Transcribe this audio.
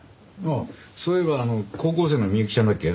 ああそういえば高校生の美幸ちゃんだっけ？